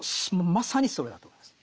まさにそれだと思うんです。